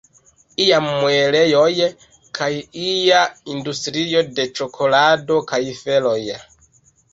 Iam muelejoj kaj ia industrio de ĉokolado kaj feloj.